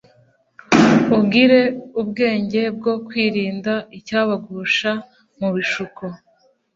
ugire ubwenge bwo kwirinda icyabagusha mu bishuko